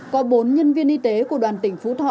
có bốn nhân viên y tế của đoàn tỉnh phú thọ